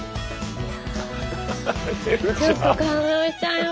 ちょっと感動しちゃいました。